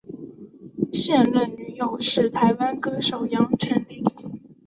现任女友是台湾歌手杨丞琳。